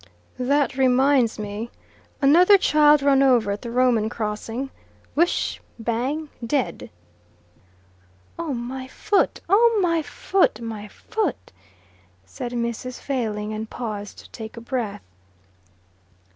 "That reminds me. Another child run over at the Roman crossing. Whish bang dead." "Oh my foot! Oh my foot, my foot!" said Mrs. Failing, and paused to take breath.